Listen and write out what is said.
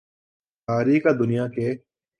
ساری کا دنیا کے